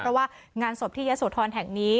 เพราะว่างานศพที่ยะโสธรแห่งนี้